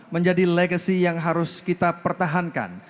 menjadi legacy yang harus kita pertahankan